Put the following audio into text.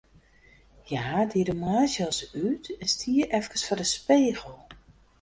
Hja die de moarnsjas út en stie efkes foar de spegel.